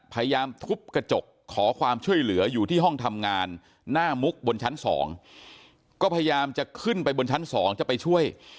พยายามทุบกระจกขอความช่วยเหลืออยู่ที่ห้องทำงานหน้ามุกบนชั้น๒ก็พยายามจะขึ้นไปบนชั้น๒จะไปช่วย